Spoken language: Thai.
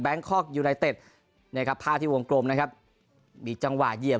แบงค์คอกยูไนเต็ดในภาพที่วงกลมนะครับมีจังหวะเหยียบ